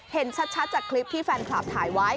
เห็นชัดจากคลิปที่แฟนคลับถ่ายไว้